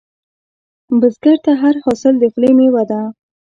بزګر ته هر حاصل د خولې میوه ده